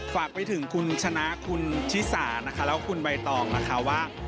ฝากไปถึงคุณชนะคุณชิสานะคะแล้วคุณใบตองนะคะว่า